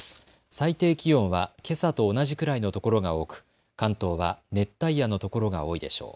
最低気温はけさと同じくらいの所が多く、関東は熱帯夜のところが多いでしょう。